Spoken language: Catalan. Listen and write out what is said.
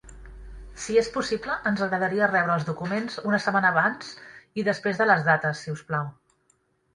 Si és possible, ens agradaria rebre els documents una setmana abans i després de les dates, si us plau.